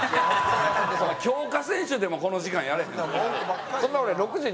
強化選手でもこの時間やれへんで。